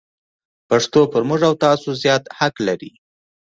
پښتو پر موږ او تاسو زیات حق لري.